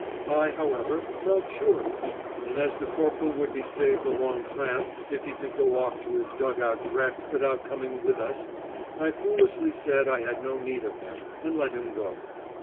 I, however, felt sure of it, and as the corporal would be saved a long tramp if he could go off to his dug out direct without coming with us, I foolishly said I had no need of him, and let him go.